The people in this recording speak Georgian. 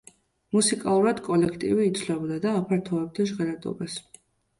მუსიკალურად კოლექტივი იცვლებოდა და აფართოვებდა ჟღერადობას.